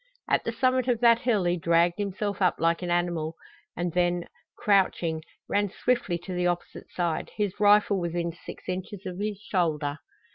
At the summit of that hill he dragged himself up like an animal, and then, crouching, ran swiftly to the opposite side, his rifle within six inches of his shoulder.